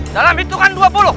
dalam hitungan dua puluh